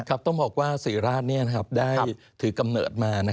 ต้องบอกว่าศรีราชได้ถือกำเนิดมา